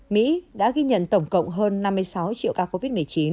mỹ đã ghi nhận tổng cộng hơn năm mươi sáu triệu ca covid một mươi chín